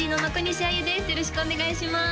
よろしくお願いします